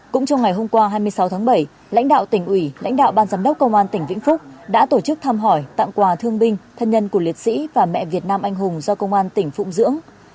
cũng trong ngày hôm qua hai mươi sáu tháng bảy lãnh đạo tỉnh ủy lãnh đạo ban giám đốc công an tỉnh vĩnh phúc đã tổ chức thăm hỏi tặng quà thương binh thân nhân của liệt sĩ và mẹ việt nam anh hùng do công an tỉnh phụng dưỡng